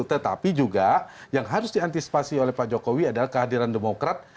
tetapi juga yang harus diantisipasi oleh pak jokowi adalah kehadiran demokrat